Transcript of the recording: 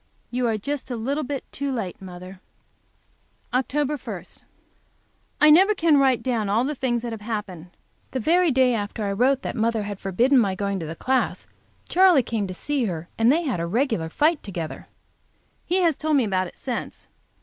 You are just a little bit too late, mother. Oct 1. I never can write down all the things that have happened. The very day after I wrote that mother had forbidden my going to the class, Charley came to see her, and they had a regular fight together. He has told me about it since.